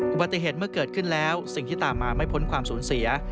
อุบัติเหตุเมื่อเกิดขึ้นแล้วสิ่งที่ตามมาไม่พ้นความสูญเสีย